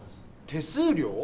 手数料？